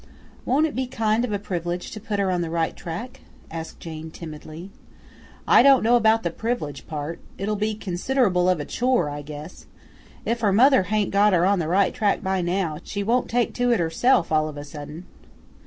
"Won't it be kind of a privilege to put her on the right track?" asked Jane timidly. "I don' know about the privilege part; it'll be considerable of a chore, I guess. If her mother hain't got her on the right track by now, she won't take to it herself all of a sudden."